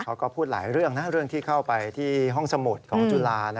เขาก็พูดหลายเรื่องนะเรื่องที่เข้าไปที่ห้องสมุดของจุฬา